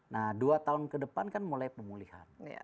nah dua tahun ke depan kan mulai pemulihan